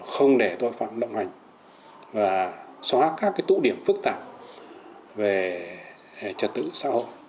không để tội phạm đồng hành và xóa các tụ điểm phức tạp về trật tự xã hội